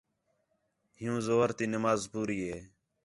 ہیوں ظُہر تی نماز پوری ہِے